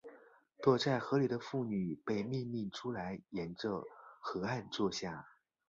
躲在河里的妇女被命令出来沿着河岸坐下。